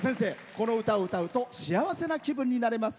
この歌を歌うと幸せな気分になれます。